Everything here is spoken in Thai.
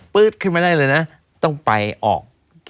ขึ้นมาได้เลยนะต้องไปออก